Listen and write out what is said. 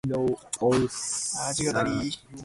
Mister Bixby was fond of fine paintings and good literature.